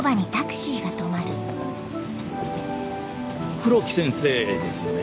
黒木先生ですよね。